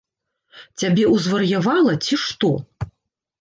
Цябе ўзвар'явала, ці што?